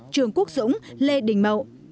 trường quốc dũng lê đình mậu